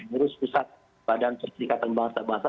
dari pusat badan pernikatan bangsa bangsa